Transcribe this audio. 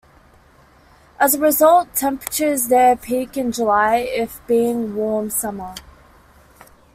As a result, temperatures there peak in July if being a warm summer.